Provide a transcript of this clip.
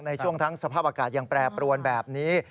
ในช่วงทั้งสภาพอากาศยังแปรปรวนแบบนี้